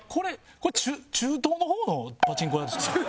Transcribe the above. これ中東の方のパチンコ屋ですか？